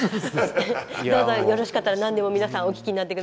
どうぞよろしかったら何でも皆さんお聞きになってください。